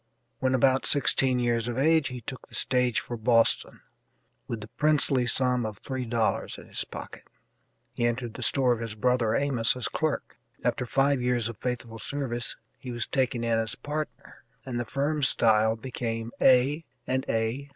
When about sixteen years of age he took the stage for Boston, with the princely sum of three dollars in his pocket. He entered the store of his brother Amos as clerk. After five years of faithful service he was taken in as partner, and the firm style became A. & A.